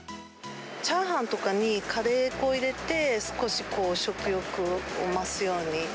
チャーハンとかにカレー粉入れて、少し食欲を増すように。